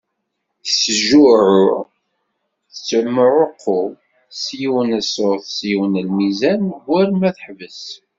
Tettejɛuɛuy tettemɛuqu s yiwen n ssut s yiwen n lmizan, war ma teḥbes.